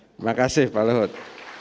terima kasih pak lohut